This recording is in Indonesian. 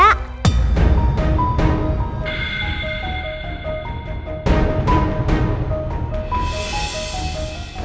tukang oven beda